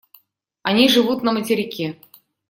Они живут на материке.